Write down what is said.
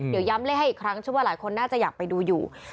เดี๋ยวย้ำเลขให้อีกครั้งเชื่อว่าหลายคนน่าจะอยากไปดูอยู่